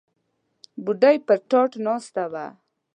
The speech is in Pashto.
بوډۍ پر تاټ ناسته وه.